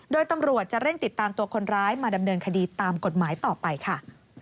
โดยตำรวจจะเร่งติดตามตัวคนร้ายมาดำเนินคดีตามกฎหมายต่อไปค่ะ